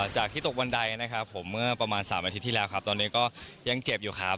จากที่ตกบันไดนะครับผมเมื่อประมาณ๓อาทิตย์ที่แล้วครับตอนนี้ก็ยังเจ็บอยู่ครับ